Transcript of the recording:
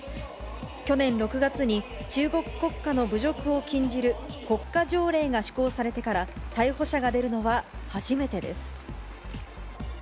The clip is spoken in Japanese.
去年６月に中国国家の侮辱を禁じる国歌条例が施行されてから逮捕者が出るのは初めてです。